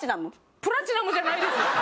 プラチナムじゃないです。